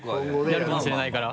やるかもしれないから。